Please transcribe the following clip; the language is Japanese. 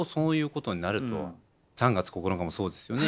「３月９日」もそうですよね。